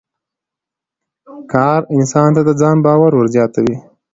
کار انسان ته د ځان باور ور زیاتوي